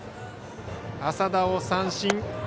麻田を三振。